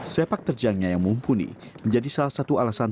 sepak terjangnya yang mumpuni menjadi salah satu alasan